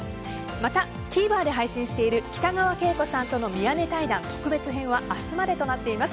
また、ＴＶｅｒで配信している北川景子さんとの宮根対談特別編は明日までとなっています。